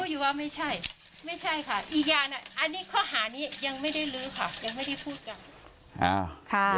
อ้ะพี่ยังพูดอยู่ว่าไม่ใช่ข้าอี้ข้อหารอางนี้ยังไม่ได้รึยังไม่ได้พูดกัน